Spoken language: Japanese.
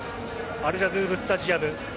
アルジャヌーブスタジアム。